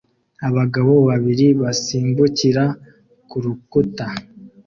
Abagabo babiri basimbukira ku rukuta